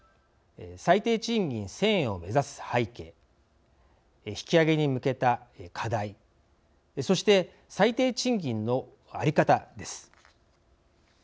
最低賃金１０００円を目指す背景引き上げに向けた課題そして最低賃金の在り方です。